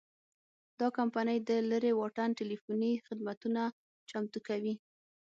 دا کمپنۍ د لرې واټن ټیلیفوني خدمتونه چمتو کوي.